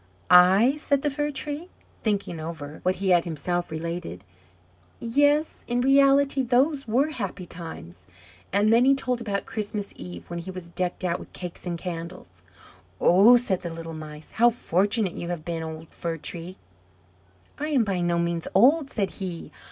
"I?" said the Fir tree, thinking over what he had himself related. "Yes, in reality those were happy times." And then he told about Christmas Eve, when he was decked out with cakes and candles. "Oh," said the little Mice, "how fortunate you have been, old Fir tree!" "I am by no means old," said he.